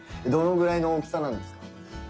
どのぐらいの大きさなんですか？